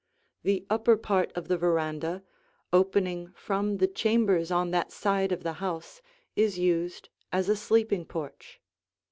The upper part of the veranda opening from the chambers on that side of the house is used as a sleeping porch.